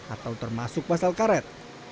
atau termasuk pasal karet